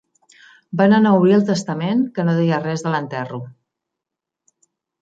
Van anar a obrir el testament, que no deia res de l'enterro.